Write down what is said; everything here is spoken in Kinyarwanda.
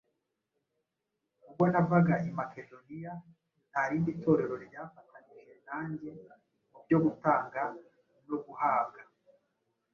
ubwo navaga i Makedoniya, nta rindi Torero ryafatanije nanjye mu byo gutanga no guhabwa